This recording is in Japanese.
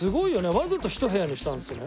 わざと１部屋にしたんですよね？